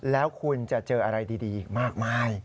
แล้วคุณจะเจออะไรดีอีกมากมาย